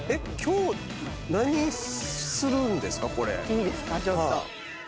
いいですかちょっと。